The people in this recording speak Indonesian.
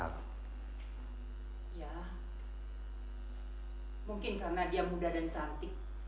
ya mungkin karena dia muda dan cantik